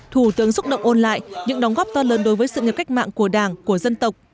thủ tướng xúc động ôn lại những đóng góp to lớn đối với sự nghiệp cách mạng của đảng của dân tộc